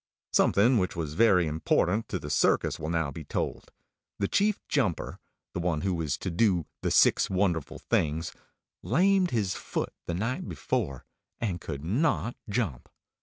Something which was very important to the circus will now be told. The Chief Jumper the one who was to do the six wonderful things lamed his foot the night before, and could not jump.